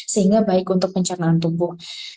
sehingga baik untuk pencernaan tubuh